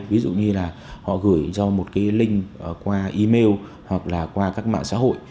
ví dụ như là họ gửi do một link qua email hoặc là qua các mạng xã hội